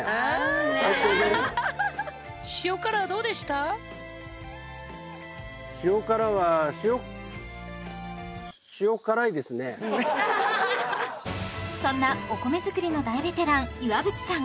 塩辛は塩そんなお米づくりの大ベテラン岩渕さん